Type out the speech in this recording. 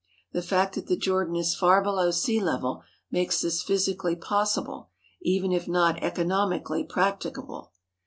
The fact that the Jordan is far below sea level makes this physically possible, even if not economically practicable.